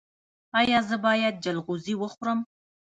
ایا زه باید جلغوزي وخورم؟